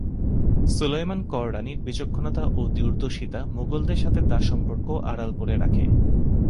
সুলায়মান কররানীর বিচক্ষণতা ও দূরদর্শিতা মুগলদের সাথে তাঁর সম্পর্ক আড়াল করে রাখে।